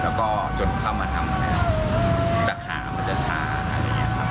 แล้วก็จนเข้ามาทำอะไรแต่ขามันจะช้าอะไรอย่างนี้ครับ